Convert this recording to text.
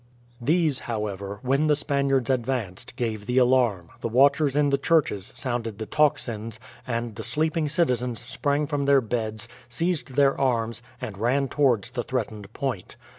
These, however, when the Spaniards advanced, gave the alarm, the watchers in the churches sounded the tocsins, and the sleeping citizens sprang from their beds, seized their arms, and ran towards the threatened point.